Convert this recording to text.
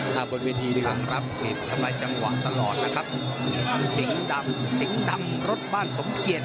ถ้าบนวิธีดีกว่าต่างรับผลิตทำลายจังหวะตลอดสิงห์ดำสิงห์ดำรถบ้านสมเกียรติ